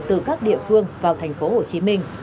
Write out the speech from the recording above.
từ các địa phương vào tp hcm